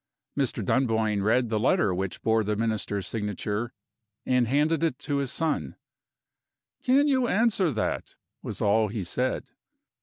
Mr. Dunboyne read the letter which bore the Minister's signature, and handed it to his son. "Can you answer that?" was all he said.